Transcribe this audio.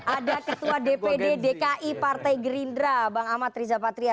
ada ketua dpd dki partai gerindra bang amat riza patria